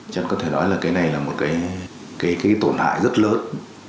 chẳng có thể nói là cái này là một cái tổn hại rất lớn